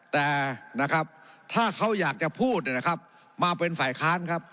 แต่นะครับถ้าเขาอยากจะพูดเนี่ยนะครับมาเป็นฝ่ายค้านครับ